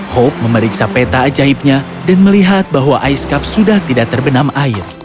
hope memeriksa peta ajaibnya dan melihat bahwa ice cup sudah tidak terbenam air